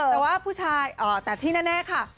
แต่ว่าผู้ชายแต่ที่แน่ค่ะ